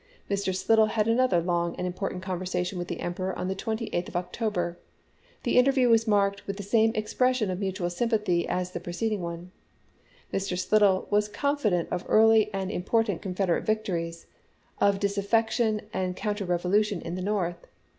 Mr. Slidell had another long and important conversation with the Emperor on the 28th of October. The interview was marked with the same expression of mutual sympathy as the preceding one. Mr. Slidell was confident of early and impor tant Confederate victories, of disaffection and coun ter revolution in the North.